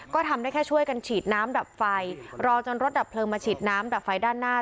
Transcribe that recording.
ก็ทำได้แค่ช่วยกันฉีดน้ำดับไฟรอจนรถดับเพลิงมาฉีดน้ำดับไฟด้านหน้า